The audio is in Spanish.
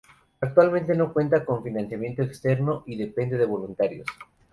Actualmente no cuenta con financiamiento externo y depende de voluntarios.